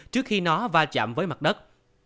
trước khi nó va chạm với mặt đất